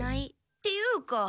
っていうか。